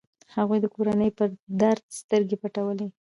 هغوی د کورنيو پر درد سترګې پټولې.